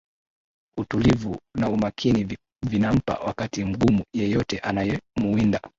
Utulivu na umakini vinampa wakati mgumu yeyote anayemuwinda